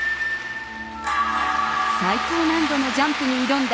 最高難度のジャンプに挑んだ